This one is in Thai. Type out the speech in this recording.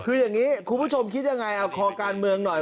คืออย่างนี้คุณผู้ชมคิดยังไงเอาคอการเมืองหน่อย